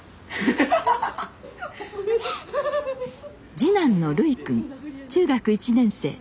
次男の琉泉くん中学１年生。